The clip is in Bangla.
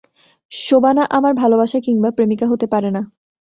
শোবানা আমার ভালোবাসা কিংবা প্রেমিকা হতে পারে না।